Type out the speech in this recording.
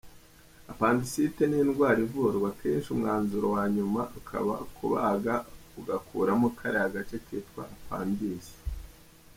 Apandisite ni indwara ivurwa akenshi umwanzuro wanyuma ukaba kubaga ugakuramo kariya gace kitwa apandise.